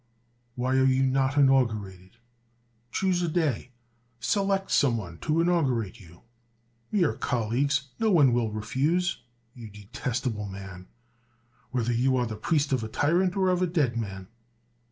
why are you not inaugu rated ? Choose a day ; select some one to inaugu rate you; we are colleags; no one will refuse, you detestable man, whether you are the priest of a tyrant, or of a dead man